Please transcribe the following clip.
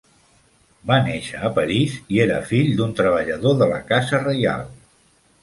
Va néixer a París i era fill d'un treballador de la casa reial.